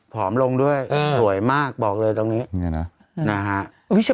ภอมหลงด้วยสวยมากบอกเลยตรงนี้